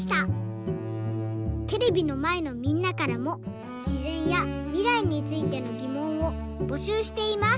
テレビのまえのみんなからもしぜんやみらいについてのぎもんをぼしゅうしています！